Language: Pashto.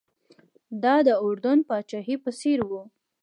دا د اردن پاچاهۍ په څېر و.